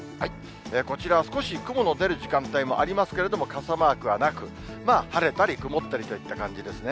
こちらは少し雲の出る時間帯もありますけれども、傘マークはなく、晴れたり曇ったりといった感じですね。